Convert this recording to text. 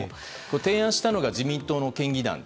提案したのが自民党の県議団。